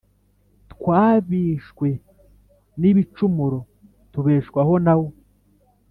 Twabishwe n'ibicumuro, tubeshwaho na wo.